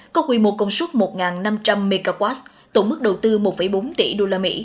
có quy mô công suất một năm trăm linh mw tổng mức đầu tư một bốn tỷ usd